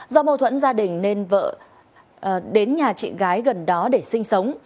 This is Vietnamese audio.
do mâu thuẫn gia đình nên vợ đến nhà chị gái gần đó để sinh sống